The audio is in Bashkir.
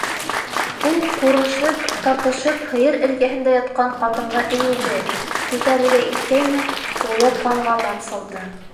- Ул ҡурышып, тартышып һыйыр эргәһендә ятҡан ҡатынға эйелде, күтәрергә иткәйне - ҡулы ҡанға мансылды.